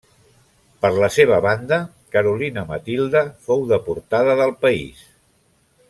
Per la seva banda, Carolina Matilde fou deportada del país.